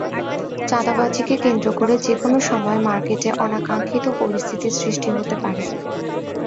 চাঁদাবাজিকে কেন্দ্র করে যেকোনো সময় মার্কেটে অনাকাঙ্ক্ষিত পরিস্থিতির সৃষ্টি হতে পারে।